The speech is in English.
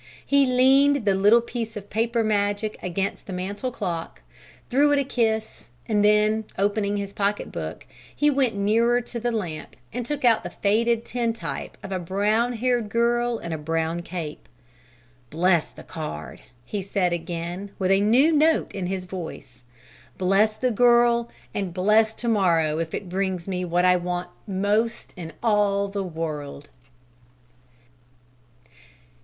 He leaned the little piece of paper magic against the mantel clock, threw it a kiss, and then, opening his pocket book, he went nearer to the lamp and took out the faded tintype of a brown haired girl in a brown cape. "Bless the card!" he said again, with a new note in his voice: "Bless the girl! And bless to morrow if it brings me what I want most in all the world!"